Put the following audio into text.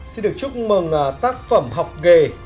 xin được chúc mừng tác phẩm học ghề